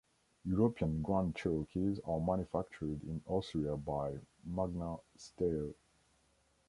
European Grand Cherokees are manufactured in Austria by Magna Steyr.